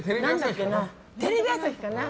テレビ朝日かな。